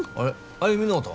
歩みノートは？